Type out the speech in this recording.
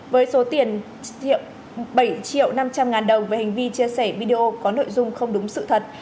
với số tiền thiệu bảy triệu năm trăm linh ngàn đồng về hành vi chia sẻ video có nội dung không đúng sự thật